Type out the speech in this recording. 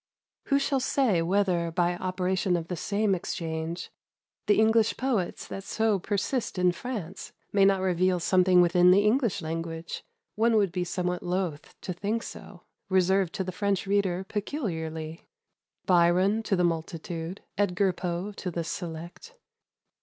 Who shall say whether, by operation of the same exchange, the English poets that so persist in France may not reveal something within the English language one would be somewhat loth to think so reserved to the French reader peculiarly? Byron to the multitude, Edgar Poe to the select?